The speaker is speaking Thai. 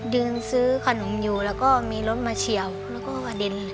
ยืนซื้อขนมอยู่แล้วก็มีรถมาเฉียวแล้วก็กระเด็น